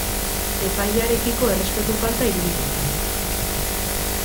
Epailearekiko errespetu falta iruditu zait.